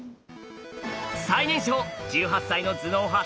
最年少１８歳の頭脳派